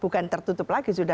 bukan tertutup lagi sudah